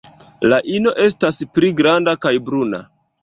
La ino estas pli granda kaj bruna.